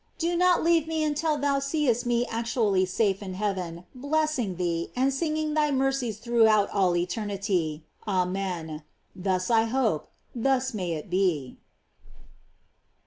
Do not leave me until thou seest me actually safe in heaven, blessing thee, and singing thy mercies throughout all eternity. Amen. Thus I hope. Thus may it be.